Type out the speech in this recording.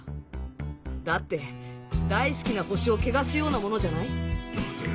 だって大好きな星を汚すようなものじゃない？